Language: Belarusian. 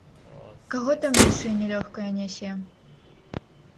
Каго там яшчэ нялёгкае нясе?!